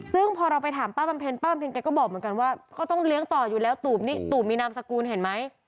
ซึ่งพอเราไปถามป้าบำเพ็ญป้าบำเพ็ญแกก็บอกเหมือนกันว่าก็ต้องเลี้ยงต่ออยู่แล้วตูบนี่ตูบมีนามสกุลเห็นไหม